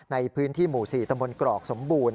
ในพื้นที่หมู่๔ตำบลกรอกสมบูรณ